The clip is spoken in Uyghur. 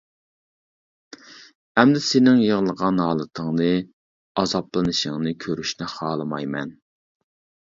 ئەمدى سېنىڭ يىغلىغان ھالىتىڭنى، ئازابلىنىشىڭنى كۆرۈشنى خالىمايمەن.